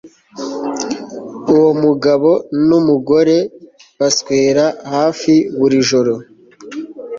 Uwo mugabo numugore baswera hafi buri joro